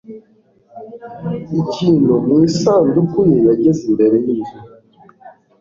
ikintu mu isanduku ye. yageze imbere y'inzu